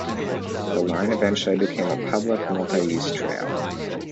The line eventually became a public multi-use trail.